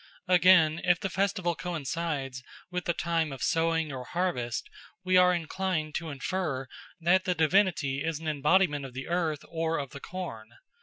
Again, if the festival coincides with the time of sowing or harvest, we are inclined to infer that the divinity is an embodiment of the earth or of the corn.